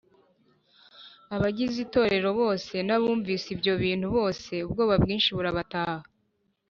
Abagize itorero bose n abumvise ibyo bintu bose ubwoba bwinshi burabataha